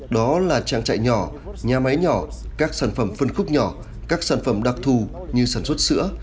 đó là trang trại nhỏ nhà máy nhỏ các sản phẩm phân khúc nhỏ các sản phẩm đặc thù như sản xuất sữa